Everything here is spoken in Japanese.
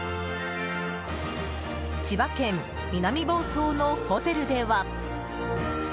千葉県南房総のホテルでは。